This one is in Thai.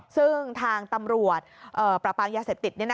ซึ่งทางตำรวจปราบปรามยาเสพติด